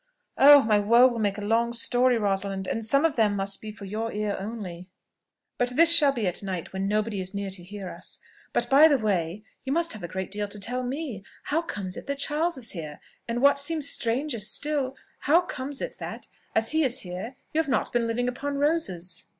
"Oh! my woes will make a long story, Rosalind; and some of them must be for your ear only; but this shall be at night, when nobody is near to hear us: but, by the way, you must have a great deal to tell me. How comes it that Charles is here? And, what seems stranger still, how comes it that, as he is here, you have not been living upon roses?"